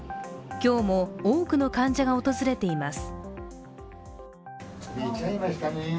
今日も多くの患者が訪れています。